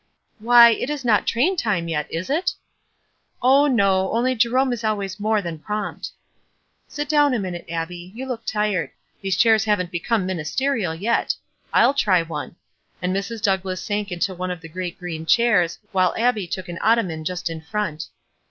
"Why, it is not train time yet, is it?" "Oh, no, only Jerome is always more than prompt." "Sit down a minute, Abbie, you look tired. These chairs haven't become ministerial yet. I'll try one ;" and Mrs. Douglass sank into one of the great green chairs, while Abbie took an ottoman just in front.